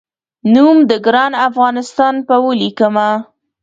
نوم د ګران افغانستان په ولیکمه